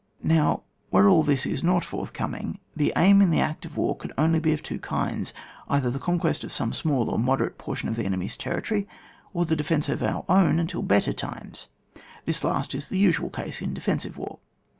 Now where all this is not forthcoming, the aim in the act of war can only be of two kinds ; either the conquest of some small or moderate por tion of the enemy's country, or the de fence of our own until better times ; this last is the usual case in defensive war.